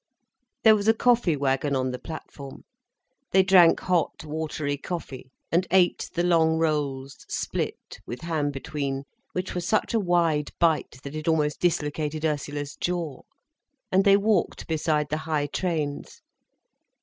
There was a coffee wagon on the platform. They drank hot, watery coffee, and ate the long rolls, split, with ham between, which were such a wide bite that it almost dislocated Ursula's jaw; and they walked beside the high trains.